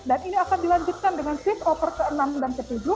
dan ini akan dilanjutkan dengan turnover ke enam dan ke tujuh